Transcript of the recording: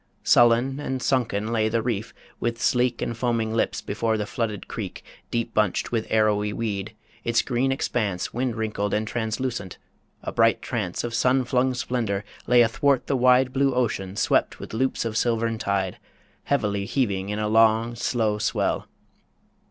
Sullen and sunken lay the reef, with sleek And foaming lips, before the flooded creek Deep bunched with arrowy weed, its green expanse Wind wrinkled and translucent ... A bright trance Of sun flung splendour lay athwart the wide Blue ocean swept with loops of silvern tide Heavily heaving in a long, slow swell.